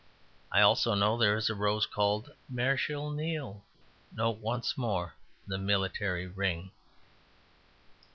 I also know there is a rose called Marechal Niel note once more the military ring.